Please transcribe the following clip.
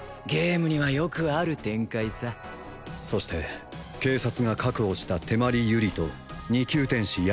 ゲームにはよくある展開さそして警察が確保した手毬由理と２級天使